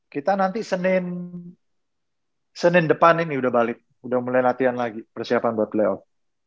kita nanti senin depan ini udah balik udah mulai latihan lagi persiapan buat playoff